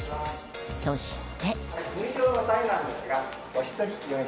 そして。